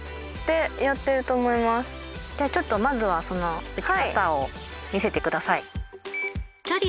じゃちょっとまずはその打ち方を見せてください。